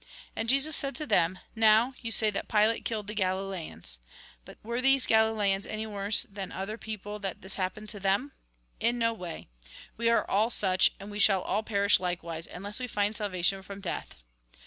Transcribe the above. And Jesus said to them :" Now, you say that Pilate killed the Galileans. But were these Gali leans any worse than other people, that this hap pened to them ? In no way. We are all such, and we shall all perish likewise, unless we find salvation from death.